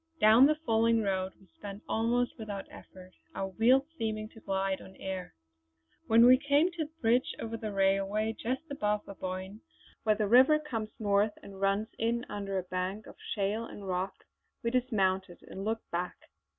Down the falling road we sped almost without effort, our wheels seeming to glide on air. When we came to the bridge over the railway just above Aboyne, where the river comes north and runs in under a bank of shale and rock, we dismounted and looked back.